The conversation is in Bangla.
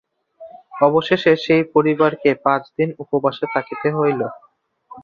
অবশেষে সেই পরিবারকে পাঁচ দিন উপবাসে থাকিতে হইল।